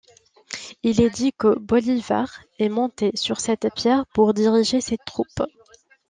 Il est dit que Bolívar est monté sur cette pierre pour diriger ses troupes.